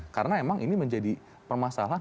karena emang ini menjadi permasalahan